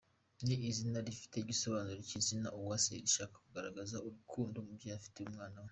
Ni izina rifite igisobanuro nk’izina Uwase rishaka kugaragaza urukundo umubyeyi afitiye umwana we.